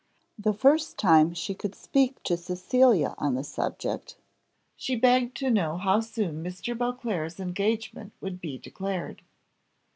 The first time she could speak to Cecilia on the subject, she begged to know how soon Mr. Beauclerc's engagement would be declared.